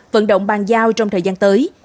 vận động bàn giao trong thời gian tới